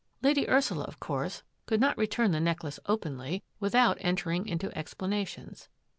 Lady Ursula, of course, could not return the neck lace openly without entering into explanations.